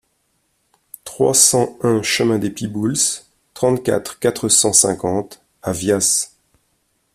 trois cent un chemin des Pibouls, trente-quatre, quatre cent cinquante à Vias